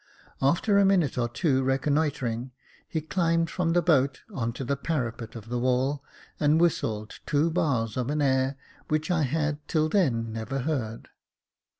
After a minute or two reconnoitring, he climbed from the boat on to the parapet of the wall, and whistled two bars of an air which I had till then never heard.